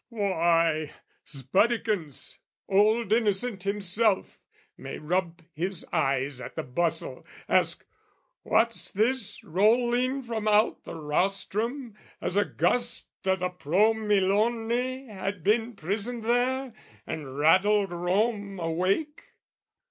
Why, 'sbuddikins, old Innocent himself May rub his eyes at the bustle, ask "What's this "Rolling from out the rostrum, as a gust "O' the Pro Milone had been prisoned there, "And rattled Rome awake?"